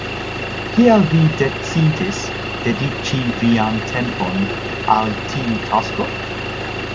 Kial vi decidis dediĉi vian tempon al tiu tasko?